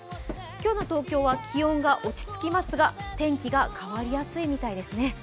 今日の東京は気温が落ち着きますが天気が変わりやすいみたいですね。